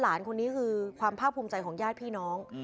หลานคนนี้คือความภาคภูมิใจของญาติพี่น้อง